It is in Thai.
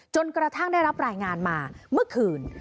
กระทั่งได้รับรายงานมาเมื่อคืน